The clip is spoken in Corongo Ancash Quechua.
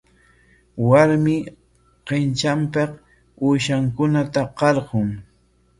Warmi qintranpik uushankunata qarqun.